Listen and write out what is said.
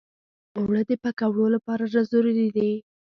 اوړه د پکوړو لپاره ضروري دي